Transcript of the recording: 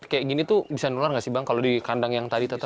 kayak gini tuh bisa nular nggak sih bang kalau di kandang yang tadi tetap